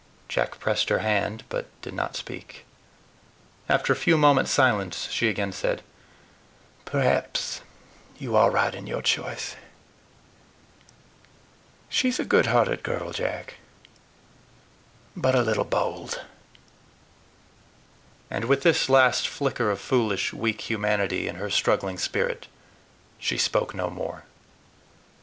Jack pressed her hand, but did not speak. After a few moments' silence, she again said: "Perhaps you are right in your choice. She is a goodhearted girl, Jack but a little bold." And with this last flicker of foolish, weak humanity in her struggling spirit, she spoke no more.